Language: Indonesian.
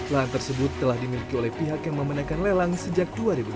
lahan tersebut telah dimiliki oleh pihak yang memenangkan lelang sejak dua ribu delapan